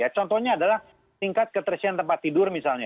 contohnya adalah tingkat ketersian tempat tidur misalnya ya